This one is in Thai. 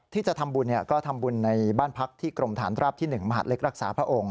ที่จะทำบุญก็ทำบุญในบ้านพักที่กรมฐานราบที่๑มหาดเล็กรักษาพระองค์